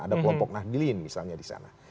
ada kelompok nahdlin misalnya di sana